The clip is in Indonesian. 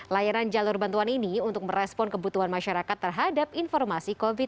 layanan jalur bantuan ini untuk merespon kebutuhan masyarakat terhadap informasi covid sembilan belas